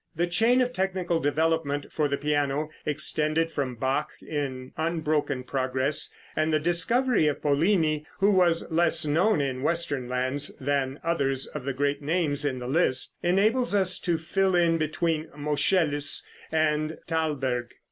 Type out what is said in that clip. The chain of technical development for the piano extended from Bach in unbroken progress, and the discovery of Pollini, who was less known in western lands than others of the great names in the list, enables us to fill in between Moscheles and Thalberg.